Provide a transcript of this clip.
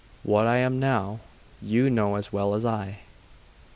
What I am now, you know as well as I.